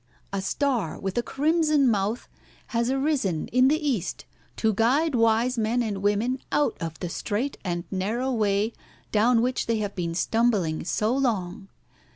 A star with a crimson mouth has arisen in the East to guide wise men and women out of the straight and narrow way down which they have been stumbling so long.